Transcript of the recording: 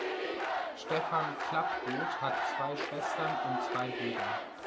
Stephan Klapproth hat zwei Schwestern und zwei Brüder.